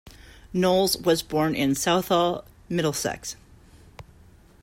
Knowles was born in Southall, Middlesex.